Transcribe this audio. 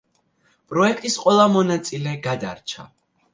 პროექტის ყველა მონაწილე გადარჩა.